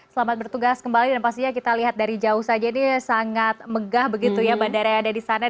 selamat bertugas kembali dan pastinya kita lihat dari jauh saja ini sangat megah begitu ya bandara yang ada di sana